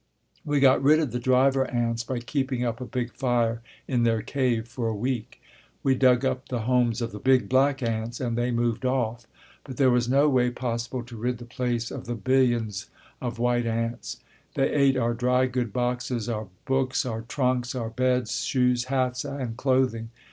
We got rid of the driver ants by keeping up a big fire in their cave for a week. We dug up the homes of the big black ants and they moved off. But there was no way possible to rid the place of the billions of white ants. They ate our dry goods boxes, our books, our trunks, our beds, shoes, hats and clothing.